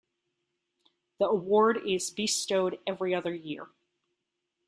The Award is bestowed every other year.